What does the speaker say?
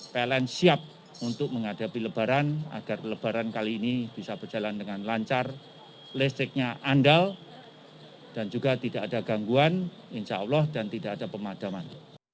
pln siap untuk menghadapi lebaran agar lebaran kali ini bisa berjalan dengan lancar listriknya andal dan juga tidak ada gangguan insya allah dan tidak ada pemadaman